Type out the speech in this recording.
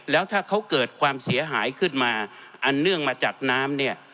แล้วถ้าเขาเกิดความเสียหายขึ้นมาอันเนื่องมาจากน้ำเนี่ย